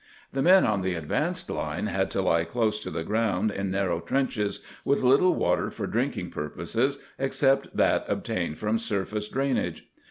The men on the advanced lines had to lie close to the ground in nar row trenches, with little water for drinking purposes, except that obtained from surface drainage.